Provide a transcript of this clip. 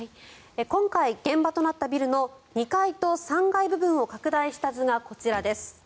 今回現場となったビルの２階と３階部分を拡大した図がこちらです。